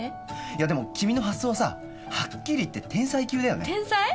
いやでも君の発想はさはっきりいって天才級だよね天才？